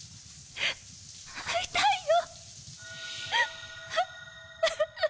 会いたいよ。